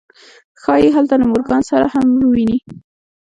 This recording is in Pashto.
ښایي هلته له مورګان سره هم وویني